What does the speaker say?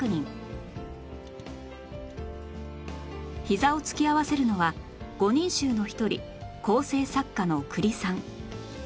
膝を突き合わせるのは五人衆の一人構成作家の久利さん